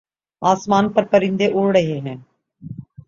آسمان پر پرندے اڑ رہے ہیں